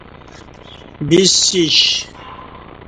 ب سیش